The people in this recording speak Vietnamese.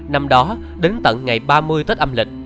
năm đó đến tận ngày ba mươi tết âm lịch